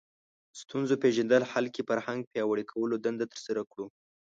ستونزو پېژندلو حل کې فرهنګ پیاوړي کولو دنده ترسره کړو